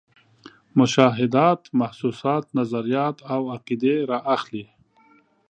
مشاهدات، محسوسات، نظریات او عقیدې را اخلي.